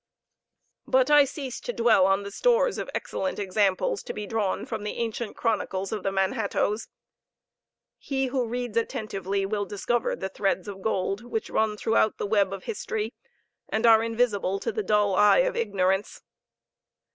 But I cease to dwell on the stores of excellent examples to be drawn from the ancient chronicles of the Manhattoes. He who reads attentively will discover the threads of gold which run throughout the web of history, and are invisible to the dull eye of ignorance.